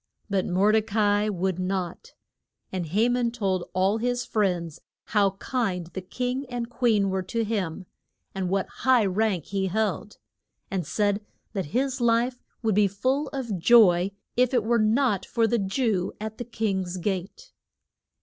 But Mor de ca i would not. And Ha man told all his friends how kind the king and queen were to him, and what high rank he held, and said that his life would be full of joy if it were not for the Jew at the king's gate.